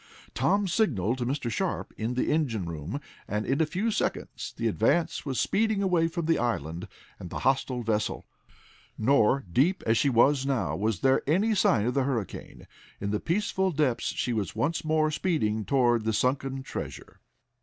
Tom signaled to Mr. Sharp in the engine room, and in a few seconds the Advance was speeding away from the island and the hostile vessel. Nor, deep as she was now, was there any sign of the hurricane. In the peaceful depths she was once more speeding toward the sunken treasure.